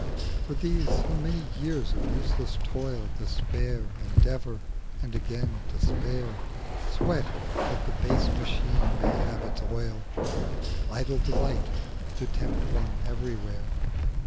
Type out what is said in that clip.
For these, so many years of useless toil, Despair, endeavour, and again despair, Sweat, that the base machine may have its oil, Idle delight to tempt one everywhere.